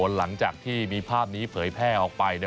หลังจากที่มีภาพนี้เผยแพร่ออกไป